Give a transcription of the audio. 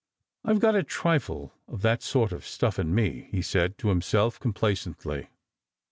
" I've got a trifle of that soi t of stuff in me," he said to himself complacently.